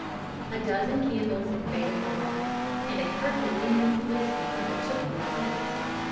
"A dozen candles invaded the hearth, and a herculean policeman undertook the ascent.